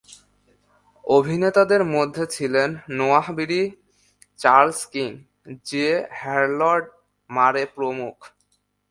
অভিনেতাদের মধ্যে ছিলেন Noah Beery, Charles King, J. Harold Murray প্রমুখ।